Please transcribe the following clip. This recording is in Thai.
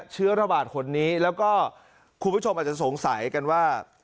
เชื้อระบาดคนนี้แล้วก็คุณผู้ชมอาจจะสงสัยกันว่า